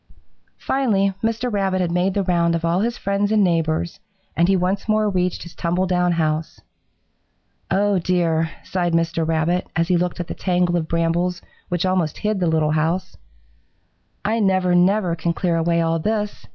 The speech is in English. "Finally Mr. Rabbit had made the round of all his friends and neighbors, and he once more reached his tumble down house. 'Oh, dear,' sighed Mr. Rabbit, as he looked at the tangle of brambles which almost hid the little old house, 'I never, never can clear away all this!